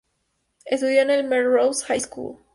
Estudió en la Melrose High School.